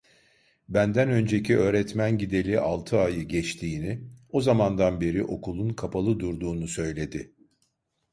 Benden önceki öğretmen gideli altı ayı geçtiğini, o zamandan beri okulun kapalı durduğunu söyledi.